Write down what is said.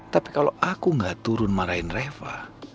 tapi kalau aku gak turun marahin reva